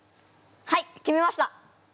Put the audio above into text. はい決めました。